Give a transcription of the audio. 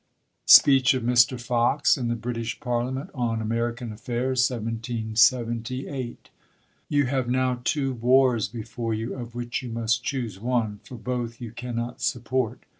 Speech of Mr. Fox, in, the British Parliament, ON American Affairs, 1778. YOU have now two wars before you, of which you must choose one, for both you cannot support.